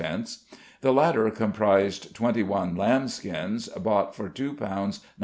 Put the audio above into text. the latter comprised twenty one lamb skins, bought for £2. 19s. 6d.